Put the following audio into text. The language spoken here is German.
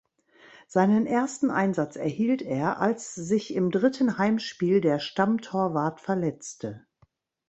Seinen ersten Einsatz erhielt er, als sich im dritten Heimspiel der Stammtorwart verletzte.